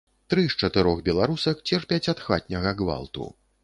Тры з чатырох беларусак церпяць ад хатняга гвалту.